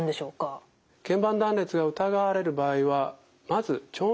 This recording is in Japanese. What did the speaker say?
けん板断裂が疑われる場合はまず超音波検査を行います。